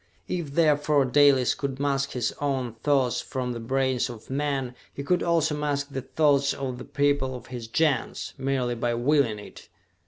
If, therefore, Dalis could mask his own thoughts from the brains of men, he could also mask the thoughts of the people of his Gens, merely by willing it!